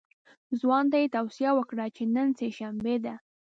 ځوان ته یې توصیه وکړه چې نن سه شنبه ده.